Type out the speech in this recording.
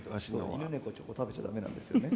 犬猫チョコ食べちゃダメなんですよね